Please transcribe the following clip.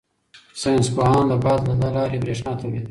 ساینس پوهان د باد له لارې بریښنا تولیدوي.